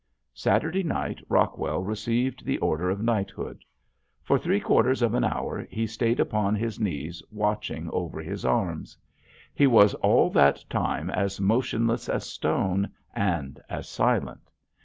Saturday night Rockwell received the order of knighthood. For three quarters of an hour he stayed upon his knees watching over his arms. He was all that time as motionless as stone and as silent.